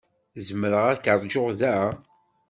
Zemreɣ ad k-ṛjuɣ da?